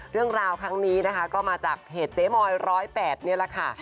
เรื่องราวครั้งนี้นะคะก็มาจากเพจเจ๊มอย๑๐๘นี่แหละค่ะ